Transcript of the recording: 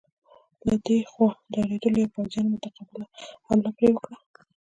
له دې خوا ډارېدلو پوځیانو متقابله حمله پرې وکړه.